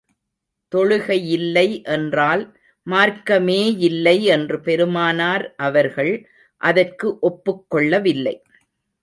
தொழுகையில்லை என்றால் மார்க்கமேயில்லை என்று பெருமானார் அவர்கள் அதற்கு ஒப்புக் கொள்ளவில்லை.